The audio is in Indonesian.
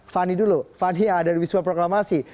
fani dulu fani yang ada di wisma proklamasi